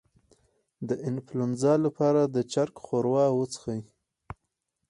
د انفلونزا لپاره د چرګ ښوروا وڅښئ